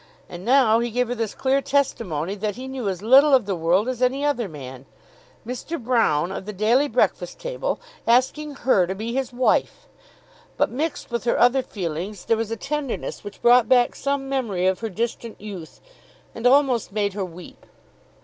And now he gave her this clear testimony that he knew as little of the world as any other man. Mr. Broune of the "Daily Breakfast Table" asking her to be his wife! But mixed with her other feelings there was a tenderness which brought back some memory of her distant youth, and almost made her weep.